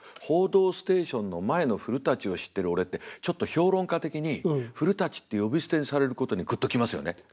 「報道ステーション」の前の古を知ってる俺ってちょっと評論家的に「古」って呼び捨てにされることにぐっと来ますよね。